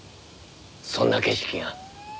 そんな景色が。